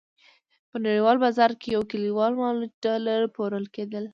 په نړیوال بازار کې یو کیلو مالوچ ډالر پلورل کېدل.